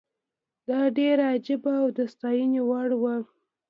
دا ډېره عجیبه او د ستاینې وړ وه.